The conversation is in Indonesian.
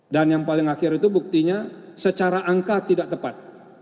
dan yang paling akhir itu buktinya secara angka tidak tepat